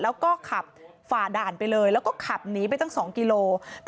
แล้วก็ขับฝ่าด่านไปเลยแล้วก็ขับหนีไปตั้ง๒กิโล